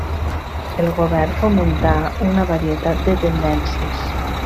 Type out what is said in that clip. El govern fomentà una varietat de tendències.